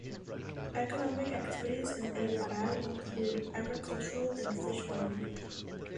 Economic activities in El Parral include agriculture and fish farming.